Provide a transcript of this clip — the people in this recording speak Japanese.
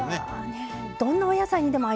どんなお野菜にでも合いそうですね。